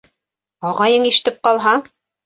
Ағайың ишетеп ҡалһа!